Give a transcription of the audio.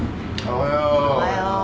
おはよう。